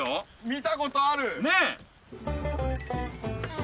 見たことある！